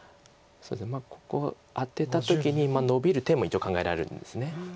まあここアテた時にノビる手も一応考えられるんです。